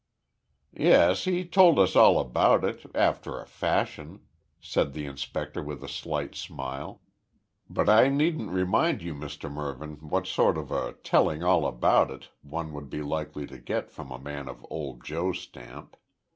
"Yes, he told us all about it after a fashion," said the inspector with a slight smile. "But I needn't remind you Mr Mervyn, what sort of a `telling all about it,' one would be likely to get from a man of old Joe's stamp.